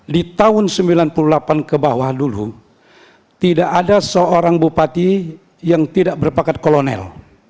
di tahun sembilan puluh delapan ke bawah dulu tidak ada seorang bupati yang tidak berpakat kolonel